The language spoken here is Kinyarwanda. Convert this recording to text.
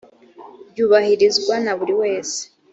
byubahirizwa na buri wese